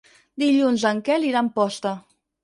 Dilluns en Quel irà a Amposta.